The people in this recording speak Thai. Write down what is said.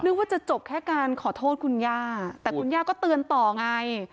นึกว่าจะจบแค่การขอโทษคุณย่า